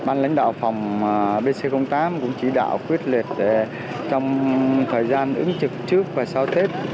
ban lãnh đạo phòng bc tám cũng chỉ đạo quyết liệt trong thời gian ứng trực trước và sau tết